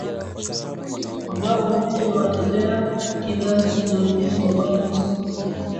Ambao wengine ni watetea haki za nchi na wengine ni wabaya wa nchi